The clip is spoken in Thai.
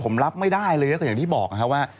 ผมรับไม่ได้เลยก็อย่างที่บอกนะครับว่า